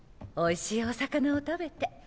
おいしいお魚を食べて。